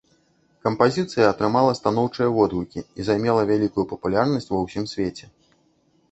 Кампазіцыя атрымала станоўчыя водгукі і займела вялікую папулярнасць ва ўсім свеце.